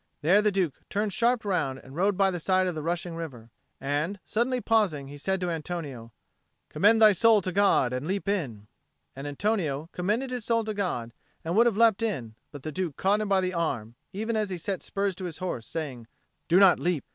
There the Duke turned sharp round and rode by the side of the rushing river. And, suddenly pausing, he said to Antonio, "Commend thy soul to God and leap in." And Antonio commended his soul to God, and would have leapt in; but the Duke caught him by the arm even as he set spurs to his horse, saying, "Do not leap."